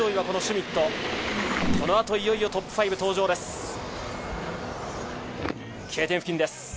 このあと、いよいよトップ５登場です。